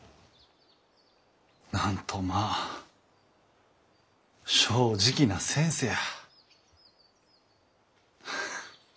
なんとまぁ正直な先生や。